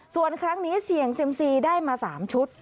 ส่วนครั้งนี้เสี่ยงเซียมซีได้มา๓ชุด